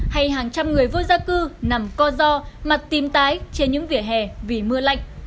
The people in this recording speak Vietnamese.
hay hàng trăm người vô gia cư nằm co do mặt tìm tái trên những vỉa hè vì mưa lạnh